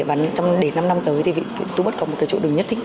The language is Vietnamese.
và trong đến năm năm tới thì tô bắt có một cái chủ đình nhất thích